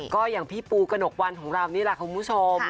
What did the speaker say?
ก็อย่างพี่ปูกระหนกวันของเรานี่แหละคุณผู้ชม